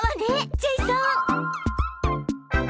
ジェイソン！